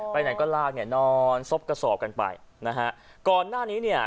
ไหนก็ลากเนี่ยนอนซบกระสอบกันไปนะฮะก่อนหน้านี้เนี่ย